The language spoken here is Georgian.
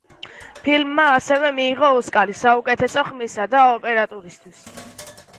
ფილმმა ასევე მიიღო ოსკარი საუკეთესო ხმისა და ოპერატურისთვის.